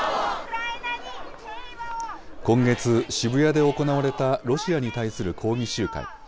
今月、渋谷で行われたロシアに対する抗議集会。